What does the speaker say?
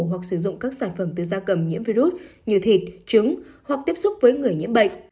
hoặc sử dụng các sản phẩm từ da cầm nhiễm virus như thịt trứng hoặc tiếp xúc với người nhiễm bệnh